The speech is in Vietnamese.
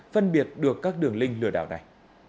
phân biệt được các đường link lừa đảo này